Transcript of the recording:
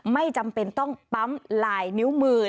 ไม่จำเป็นต้องปั๊มลายนิ้วมือ